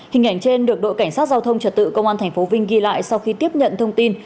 hình ảnh trên được đội cảnh sát giao thông trật tự công an tp vinh ghi lại sau khi tiếp nhận thông tin